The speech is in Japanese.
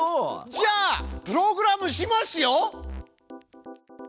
じゃあプログラムしますよ！